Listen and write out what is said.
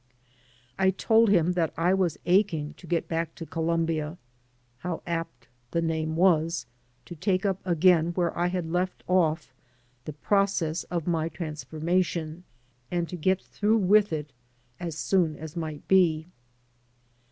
I told him that I was aching to get back to Colmnbia (how apt the name was !) to take up again where I had left off the process of my AN AMERICAN IN THE MAKING transformation, and to get through with it as soon* as might be.